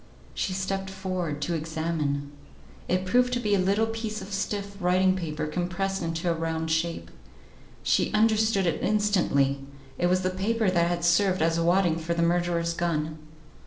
She stepped forward to examine. It proved to be a little piece of stiff writing paper compressed into a round shape. She understood it instantly; it was the paper that had served as wadding for the murderer's gun.